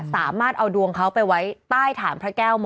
สามารถเอาดวงเขาไปไว้ใต้ฐานพระแก้วมอ